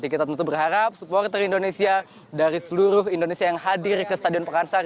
kita tentu berharap supporter indonesia dari seluruh indonesia yang hadir ke stadion pakansari